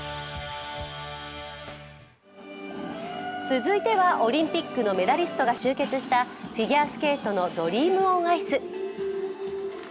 続いてはオリンピックのメダリストが集結したフィギュアスケートのドリームオンアイス。